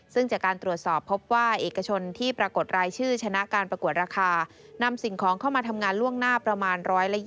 ซึ่งจากการตรวจสอบพบว่าเอกชนที่ปรากฏรายชื่อชนะการประกวดราคานำสิ่งของเข้ามาทำงานล่วงหน้าประมาณ๑๒๐